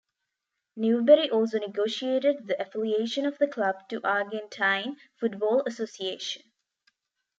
Newbery also negotiated the affiliation of the club to Argentine Football Association.